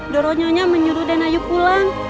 doronyonya menyuruh denayu pulang